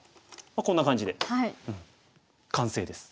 まあこんな感じで完成です。